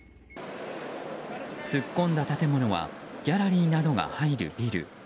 突っ込んだ建物はギャラリーなどが入るビル。